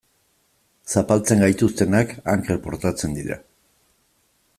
Zapaltzen gaituztenak anker portatzen dira.